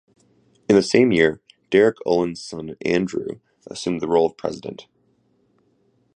In the same year, Derek Oland's son Andrew assumed the role of President.